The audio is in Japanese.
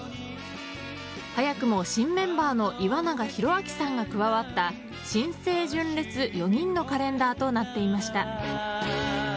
早くも新メンバーの岩永洋昭さんが加わった新生純烈、４人のカレンダーとなっていました。